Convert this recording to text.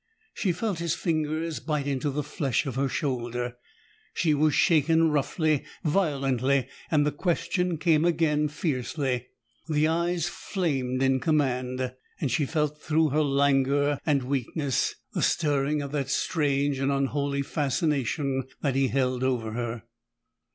She felt his fingers bite into the flesh of her shoulder. She was shaken roughly, violently, and the question came again, fiercely. The eyes flamed in command, and she felt through her languor and weakness, the stirring of that strange and unholy fascination that he held over her.